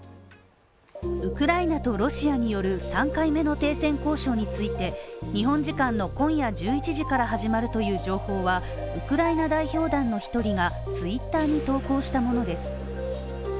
ウクライナとロシアによる３回目の停戦交渉について日本時間の今夜１１時から始まるという情報はウクライナ代表団の１人がＴｗｉｔｔｅｒに投稿したものです。